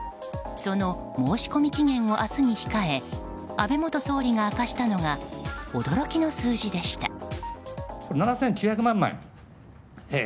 その申込期限を明日に控え安倍元総理が明かしたのが驚きの数字でした。